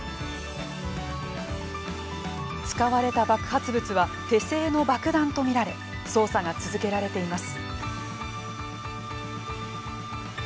使われた爆発物は手製の爆弾とみられ捜査が続けられています。